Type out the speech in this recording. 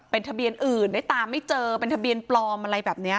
เป็นทะเบียนอื่นได้ตามไม่เจอเป็นทะเบียนปลอมอะไรแบบนี้